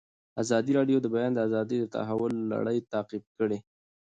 ازادي راډیو د د بیان آزادي د تحول لړۍ تعقیب کړې.